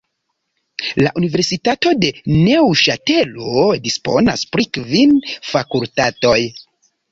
La universitato de Neŭŝatelo disponas pri kvin fakultatoj.